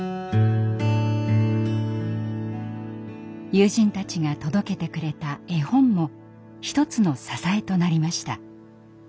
友人たちが届けてくれた絵本も一つの支えとなりました。